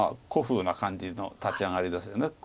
古風な感じの立ち上がりですよね。